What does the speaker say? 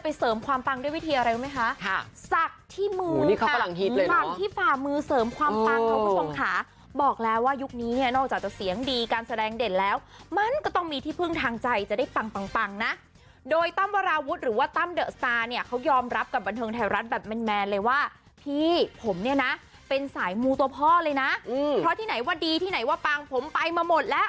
เพราะที่ไหนว่าดีที่ไหนว่าปางผมไปมาหมดแล้ว